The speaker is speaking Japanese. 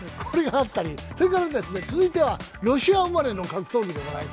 これがあったり、それから続いてはロシア生まれの格闘技。